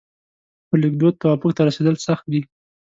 پر لیکدود توافق ته رسېدل سخت دي.